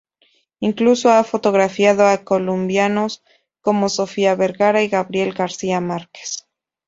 Incluso ha fotografiado a colombianos como Sofía Vergara y Gabriel García Márquez.